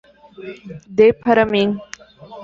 Dê para mim.